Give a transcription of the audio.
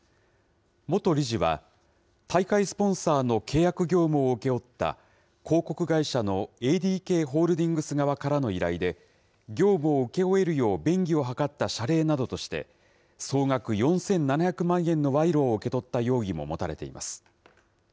元理事は、大会スポンサーの契約業務を請け負った、広告会社のＡＤＫホールディングス側からの依頼で、業務を請け負えるよう便宜を図った謝礼などとして、総額４７００万円の賄賂を受け取った容疑も持たれています。